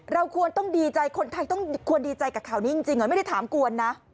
เราควรต้องดีใจคนไทยต้องควรดีใจกับข่าวนี้จริงไม่ได้ถามกวนนะ